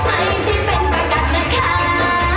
พาท่านไปตัวนาย